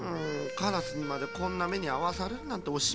カラスにまでこんなめにあわされるなんておしまいだよ。